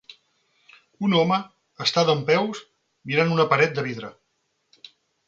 Un home està dempeus mirant una paret de vidre.